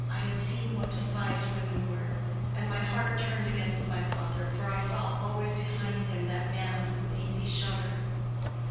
I had seen what despised women were: and my heart turned against my father, for I saw always behind him that man who made me shudder.